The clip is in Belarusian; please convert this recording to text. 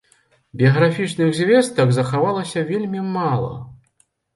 Біяграфічных звестак захавалася вельмі мала.